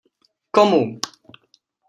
Komu!